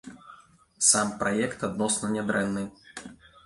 Сам праект адносна нядрэнны.